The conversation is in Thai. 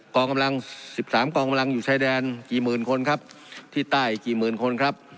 กองกำลัง๑๓กองกำลังอยู่ชายแดนกี่หมื่นคนครับที่ใต้กี่หมื่นคนครับ